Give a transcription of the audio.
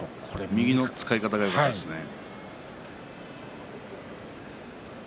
右の使い方がよかったですね。